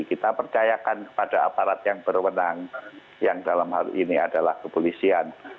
kita percayakan kepada aparat yang berwenang yang dalam hal ini adalah kepolisian